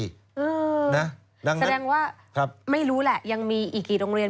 แสดงว่าไม่รู้แหละยังมีอีกกี่โรงเรียน